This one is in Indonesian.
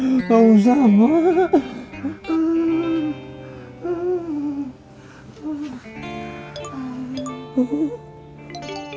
enggak usah pak